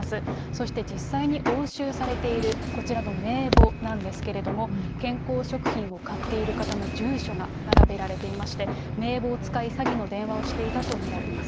そして実際に押収されている、こちらの名簿なんですけれども、健康食品を買っている方の住所が並べられていまして、名簿を使い詐欺の電話をしていたと見られます。